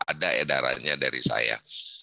ada edarannya dari saya